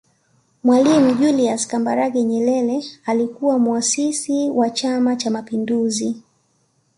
Mwalimu Julius Kambarage Nyerere alikuwa Muasisi wa Chama Cha Mapinduzi